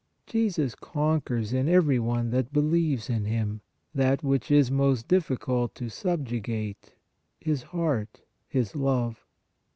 Jesus conquers in every one that believes in Him, that which is most difficult to subjugate, his heart, his love